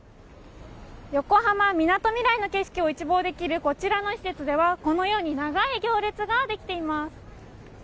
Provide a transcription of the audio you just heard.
横浜みなとみらいの景色を一望できるこちらの施設ではこのように長い行列ができています。